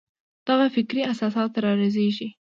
دغه فکري اساسات رازېږي.